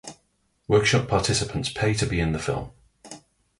Workshop participants pay to be in the film.